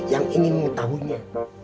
yang ingin menahunya